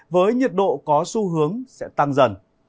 với nhiệt độ có xu hướng sẽ tăng dần